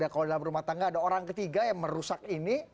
kalau dalam rumah tangga ada orang ketiga yang merusak ini